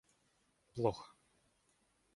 плохо